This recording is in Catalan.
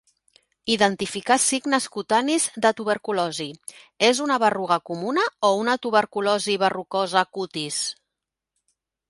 Identificar signes cutanis de tuberculosi: és una berruga comuna o una tuberculosi verrucosa cutis?